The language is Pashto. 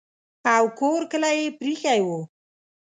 او کور کلی یې پرې ایښی وو.